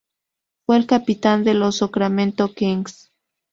Fue el capitán de los Sacramento Kings.